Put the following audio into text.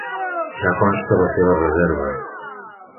Ja consta la seva reserva.